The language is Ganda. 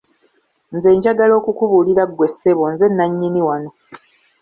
Nze njagala okukubulira ggwe ssebo nze nanyini wanno.